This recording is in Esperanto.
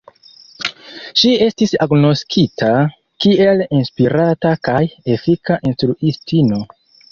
Ŝi estis agnoskita kiel inspirata kaj efika instruistino.